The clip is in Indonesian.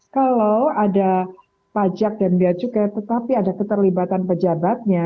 kalau ada pajak dan biacukai tetapi ada keterlibatan pejabatnya